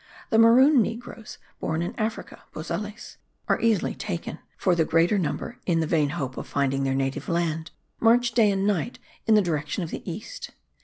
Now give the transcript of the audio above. The maroon negroes, born in Africa (bozales), are easily taken; for the greater number, in the vain hope of finding their native land, march day and night in the direction of the east.